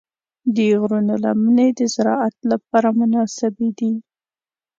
د غرونو لمنې د زراعت لپاره مناسبې دي.